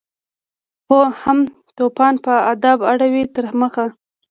هم توپان په ادب اړوي تر مخه